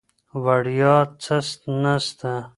وړیا څه نسته.